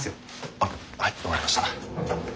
あっはい分かりました。